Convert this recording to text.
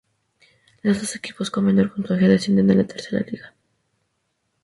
Los dos equipos con menor puntaje descienden a la Tercera Liga.